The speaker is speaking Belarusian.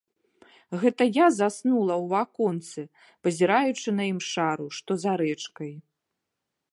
Гэта я заснула ў аконцы, пазіраючы на імшару, што за рэчкай.